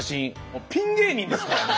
もうピン芸人ですからね。